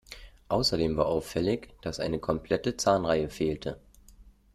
Außerdem war auffällig, dass eine komplette Zahnreihe fehlte.